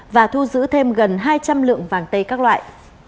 và thu giữ thêm gần hai trăm linh lượng vàng tê các loại